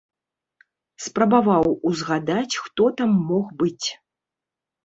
Спрабаваў узгадаць, хто там мог быць.